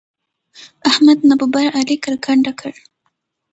احمد ناببره علي کرکنډه کړ.